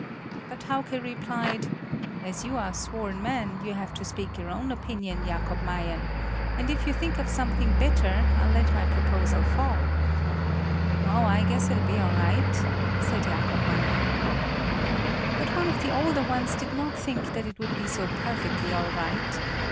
But Hauke replied: "As you are sworn men, you have to speak your own opinion, Jacob Meyen; and if you think of something better, I'll let my proposal fall." "Oh, I guess it'll be all right," said Jacob Meyen. But one of the older ones did not think that it would be so perfectly all right.